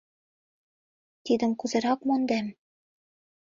Тидым кузерак мондем?